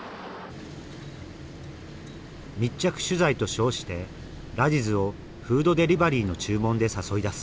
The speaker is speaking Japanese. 密着取材と称してラジズをフードデリバリーの注文で誘い出す